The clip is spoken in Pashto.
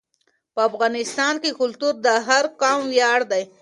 په افغانستان کې کلتور د هر قوم ویاړ دی.